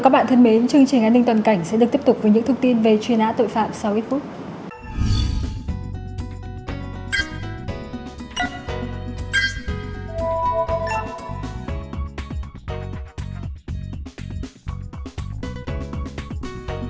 chương trình an ninh toàn cảnh sẽ được tiếp tục với những thông tin về chuyên án tội phạm sau ít phút